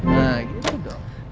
nah gitu dong